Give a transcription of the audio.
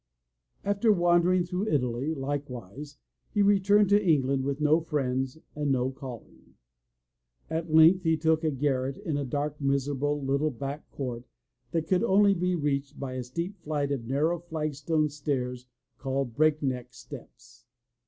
After wandering through Italy, likewise, he returned to Eng land with no friends and no calling. At length he took a garret in a dark, miserable, little back court that could only be reached by a steep flight of narrow flagstone stairs called Breakneck Steps.